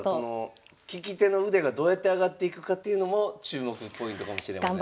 聞き手の腕がどうやって上がっていくかっていうのも注目ポイントかもしれません。